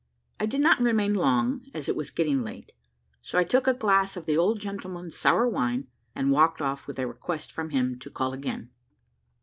I did not remain long, as it was getting late, so I took a glass of the old gentleman's sour wine, and walked off with a request from him to call again.